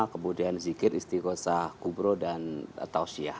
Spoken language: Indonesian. kemudian zikir istiqosah kubro dan tausiyah